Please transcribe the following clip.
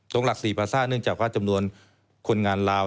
หลัก๔ภาษาเนื่องจากว่าจำนวนคนงานลาว